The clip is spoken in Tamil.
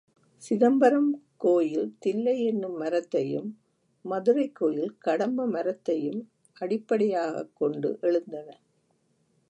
சிதம்பரம் கோயில் தில்லை என்னும் மரத்தையும் மதுரைக் கோயில் கடம்ப மரத்தையும் அடிப்படை யாகக் கொண்டு எழுந்தன.